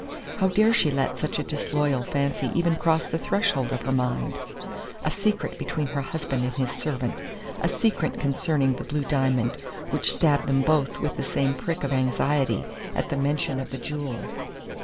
How dare she let such a disloyal fancy even cross the threshold of her mind? A secret between her husband and his servant a secret concerning the blue diamond, which stabbed them both with the same prick of anxiety at the mention of the jewel!